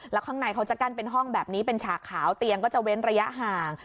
แล้วข้างในเขาจะกั้นเป็นห้องแบบนี้เป็นฉากขาวเตียงก็จะเว้นระยะห่าง